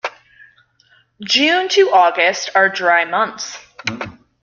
June to August are dry months.